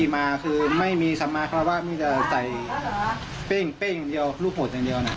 มาคือไม่มีสำมารถคำละว่าก็ใส่เป้้รูปอดอย่างเดียวน่ะ